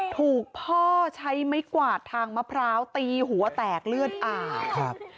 ถูกพ่อใช้ไม้กวาดทางมะพร้าวตีหัวแตกเลือดอาบครับ